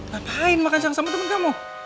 ngapain makan siang sama temen kamu